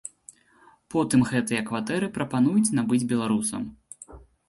Потым гэтыя кватэры прапануюць набыць беларусам.